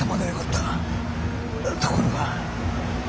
ところが。